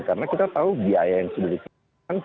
karena kita tahu biaya yang sebelumnya